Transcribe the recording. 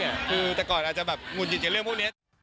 คือแต่ก่อนอาจจะแบบหุ่นจิตอย่างเรื่องพวกเนี้ย